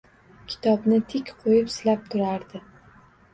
Kitobni tik qo‘yib silab turardi...